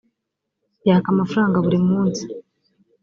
yaka amafaranga buri munsi